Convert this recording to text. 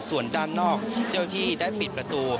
ส่วนด้านนอกเจ้าที่ได้ปิดประตู